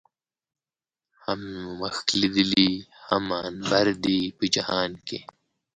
هم مې مښک ليدلي، هم عنبر دي په جهان کې